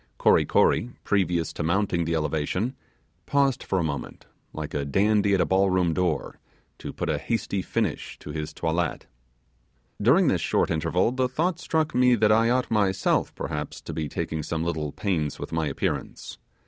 Kory Kory, previous to mounting the elevation, paused for a moment, like a dandy at a ball room door, to put a hasty finish to his toilet. During this short interval, the thought struck me that I ought myself perhaps to be taking some little pains with my appearance.